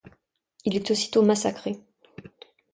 Il est aussitôt massacré.